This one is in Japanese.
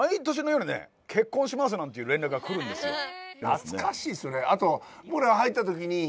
なつかしいっすよね。